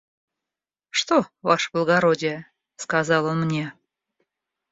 – Что, ваше благородие? – сказал он мне.